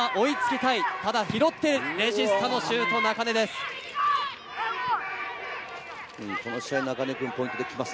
ただ拾ってレジスタのシュート、中根です。